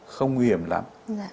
không nguy hiểm lắm